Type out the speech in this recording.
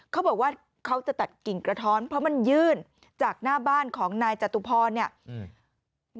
เขาบอกว่าเขาจะตัดกิ่งกระท้อนเพราะมันยื่นจากหน้าบ้านของนายจตุพรเนี่ยอืม